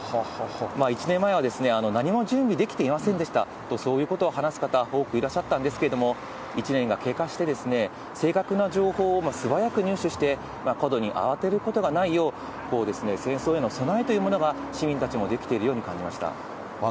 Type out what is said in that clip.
１年前は何も準備できていませんでしたと、そういうことを話す方、多くいらっしゃったんですが、１年が経過して、正確な情報を素早く入手して、過度に慌てることがないよう、戦争への備えというものが市民たちもできているように感じました。